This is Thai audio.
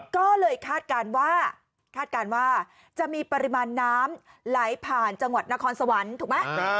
ก็เลยคาดการณ์ว่าคาดการณ์ว่าจะมีปริมาณน้ำไหลผ่านจังหวัดนครสวรรค์ถูกไหม